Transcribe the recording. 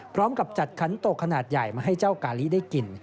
พร้อมกับจัดขันโตขนาดใหญ่มาให้เจ้ากาลิได้กิน